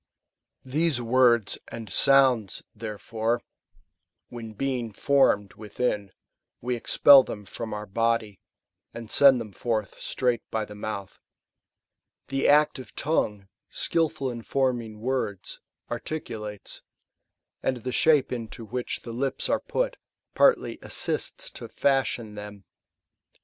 These words and sounds, therefore, (when, being formed within, we expel them from our body, and send them forth straight by the mouth,) the active tongue, skilful in forming words, articulates ; and the shape into which the lips aro put, partly assists to fashion them.